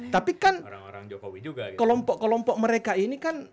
tapi kan kelompok kelompok mereka ini kan